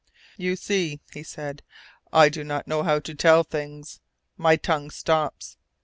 "You see," he said, "I do not know how to tell things. My tongue stops.